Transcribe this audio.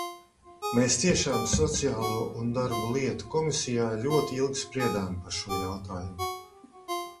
Mēs tiešām Sociālo un darba lietu komisijā ļoti ilgi spriedām par šo jautājumu.